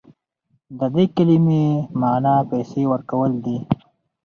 د دې کلمې معنی پیسې ورکول دي.